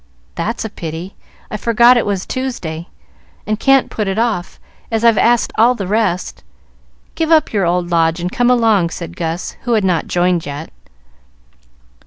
"That's a pity! I forgot it was Tuesday, and can't put it off, as I've asked all the rest. Give up your old Lodge and come along," said Gus, who had not joined yet.